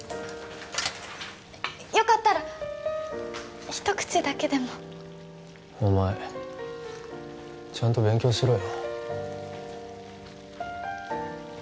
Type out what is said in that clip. よかったらひと口だけでもお前ちゃんと勉強しろよ